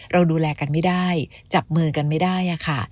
เราดูแลกันไม่ได้จับมือกันไม่ได้ค่ะ